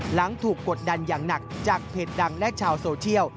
หลังถูกกดดันอย่างหนักจากเพจดังและชาวโซเชียล